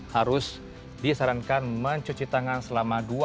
harus disarankan mencuci tangan selama